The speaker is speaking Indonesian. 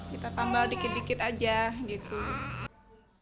kita tambal dikit dikit aja gitu